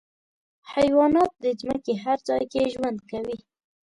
حیوانات د ځمکې هر ځای کې ژوند کوي.